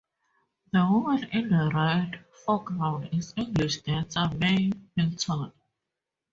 The woman in the right foreground is English dancer May Milton.